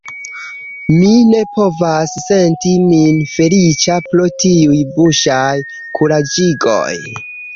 Mi ne povas senti min feliĉa pro tiuj buŝaj kuraĝigoj.